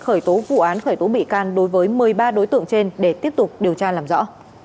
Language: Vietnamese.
khởi tố vụ án khởi tố bị can đối với một mươi ba đối tượng trên để tiếp tục điều tra làm rõ